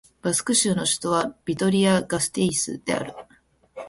バスク州の州都はビトリア＝ガステイスである